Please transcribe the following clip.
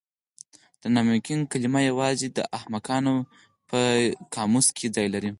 د ناممکن کلمه یوازې د احمقانو په قاموس کې ځای لري.